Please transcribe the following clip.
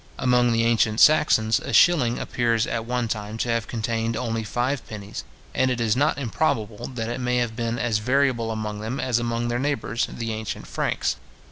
Among the ancient Saxons, a shilling appears at one time to have contained only five pennies, and it is not improbable that it may have been as variable among them as among their neighbours, the ancient Franks.